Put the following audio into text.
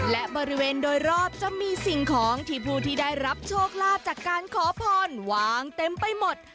และบริเวณโดยรอบจะมีสิ่งของที่ผู้ที่ได้รับโชคลาภจากการขอพรวางเต็มไปหมด